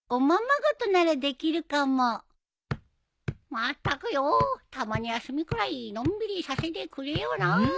・まったくよたまの休みくらいのんびりさせてくれよな。